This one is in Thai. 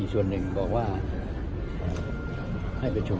อีกส่วนหนึ่งบอกว่าให้ประชุม